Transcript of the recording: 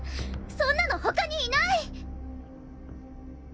そんなのほかにいない！